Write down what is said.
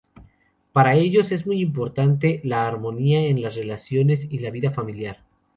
Para ellos es muy importante la armonía en las relaciones y la vida familiar.